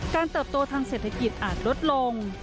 เติบโตทางเศรษฐกิจอาจลดลง